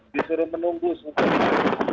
disuruh menunggu sudah